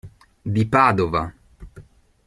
Di Padova.